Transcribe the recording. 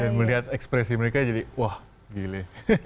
dan melihat ekspresi mereka jadi wah gile